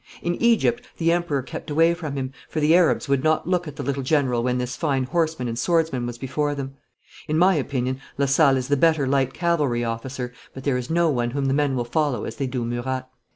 In Egypt the Emperor kept away from him, for the Arabs would not look at the little General when this fine horseman and swordsman was before them. In my opinion Lasalle is the better light cavalry officer, but there is no one whom the men will follow as they do Murat.'